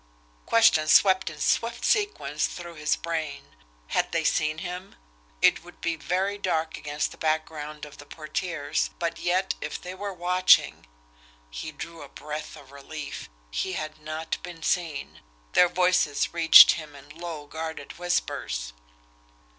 Questions swept in swift sequence through his brain. Had they seen him? It would be very dark against the background of the portieres, but yet if they were watching he drew a breath of relief. He had not been seen. Their voices reached him in low, guarded whispers.